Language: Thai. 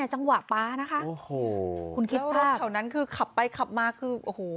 ในจังหวะป่านะคะคุณคิดว่าแถวนั้นคือขับไปขับมาคือโอ้โห